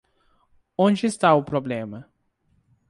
Onde está o problema?